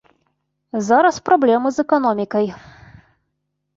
Зараз праблемы з эканомікай.